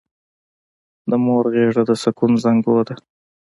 د مور غېږه د سکون زانګو ده!